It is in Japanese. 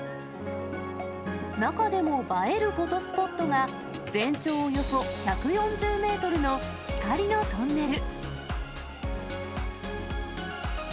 中でも映えるフォトスポットが、全長およそ１４０メートルの光のトンネル。